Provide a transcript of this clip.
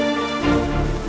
i bocah megang